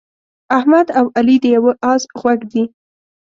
احمد او علي د یوه اس غوږ دي.